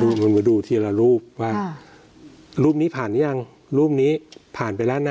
ดูเหมือนมาดูทีละรูปว่าอ่ารูปนี้ผ่านยังรูปนี้ผ่านไปแล้วนะ